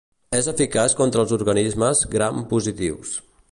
És eficaç contra els organismes Gram-positius.